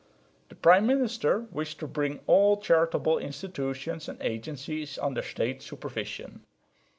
The prime minister wished to bring all charitable institutions and agencies under State supervision.